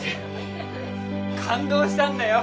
感動したんだよ。